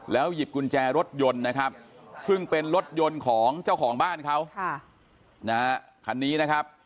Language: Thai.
หยิบกุญแจรถยนต์นะครับซึ่งเป็นรถยนต์ของเจ้าของบ้านเขานะฮะคันนี้นะครับ